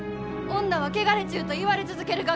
「女は汚れちゅう」と言われ続けるがか！